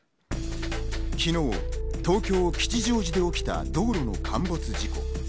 昨日、東京・吉祥寺で起きた道路の陥没事故。